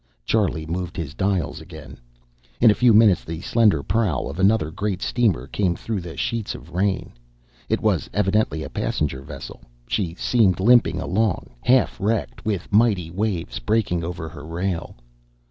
Charlie moved his dials again. In a few minutes the slender prow of another great steamer came through the sheets of rain. It was evidently a passenger vessel. She seemed limping along, half wrecked, with mighty waves breaking over her rail.